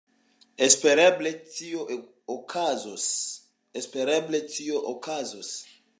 Espereble tio okazos.